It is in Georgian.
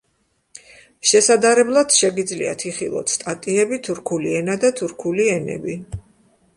შესადარებლად შეგიძლიათ იხილოთ სტატიები თურქული ენა და თურქული ენები.